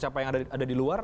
siapa yang ada di luar